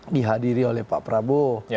dihadiri oleh pak prabu